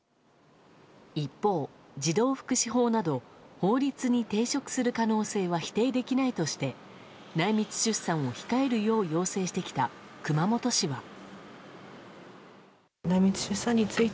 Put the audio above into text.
一方、児童福祉法など法律に抵触する可能性は否定できないとして内密出産を控えるよう要請してきた熊本市は。